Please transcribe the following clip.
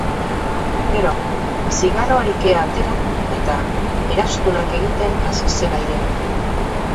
Gero, zigarroari kea atera eta eraztunak egiten hasi zen airean.